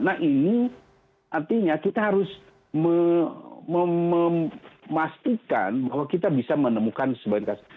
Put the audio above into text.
nah ini artinya kita harus memastikan bahwa kita bisa menemukan sebagian kasus